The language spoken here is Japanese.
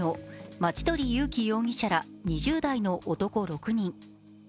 待鳥勇貴容疑者ら２０代の男６人。